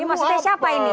ini maksudnya siapa ini